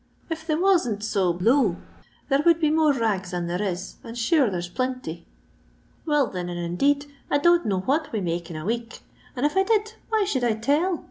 If thejr wasnt^O tfnhere would be more rags than there i^ ttfiibure there's plintj. " Will, thin and indeed, I don't know what we make in a week, and if I did, why should I tell